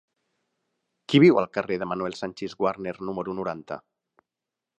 Qui viu al carrer de Manuel Sanchis Guarner número noranta?